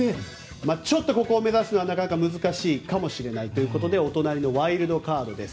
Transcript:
ちょっと、ここを目指すのはなかなか難しいかもしれないということでお隣のワイルドカードです。